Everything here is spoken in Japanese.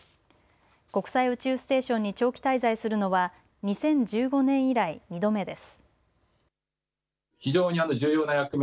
国際宇宙ステーションに長期滞在するのは２０１５年以来、２度目です。